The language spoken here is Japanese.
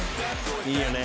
「いいよね。